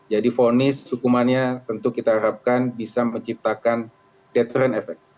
jadi fornis hukumannya tentu kita harapkan bisa menciptakan deterrent effect